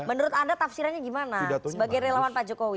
menurut anda tafsirannya gimana sebagai relawan pak jokowi